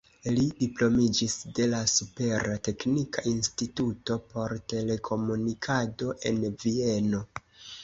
Li diplomiĝis de la Supera Teknika Instituto por Telekomunikado en Vieno.